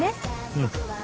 うん。